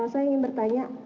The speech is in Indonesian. saya ingin bertanya